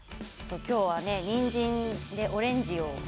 今日はにんじんでオレンジを。